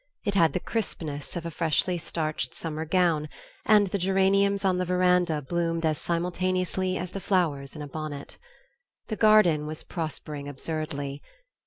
It had the crispness of a freshly starched summer gown, and the geraniums on the veranda bloomed as simultaneously as the flowers in a bonnet. The garden was prospering absurdly.